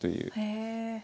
へえ。